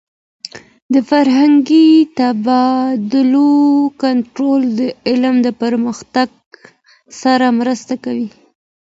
د فرهنګي تبادلو کنټرول د علم د پرمختګ سره مرسته کوي.